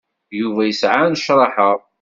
Yuba isɛa nnecṛaḥa.